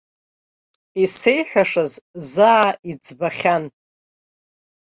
Исеиҳәашаз заа иӡбахьан.